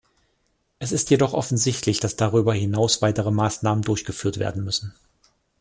Es ist jedoch offensichtlich, dass darüber hinaus weitere Maßnahmen durchgeführt werden müssen.